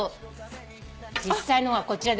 実際のはこちらでございます。